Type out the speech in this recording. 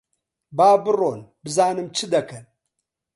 با بڕۆن بزانم چ دەکەن؟